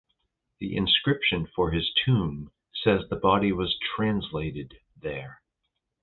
The inscription for his tomb says that he body was "translated" there.